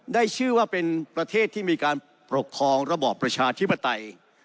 ได้ชื่อว่าเป็นประเทศที่มีการปกครองระบอบประชาธิปไตย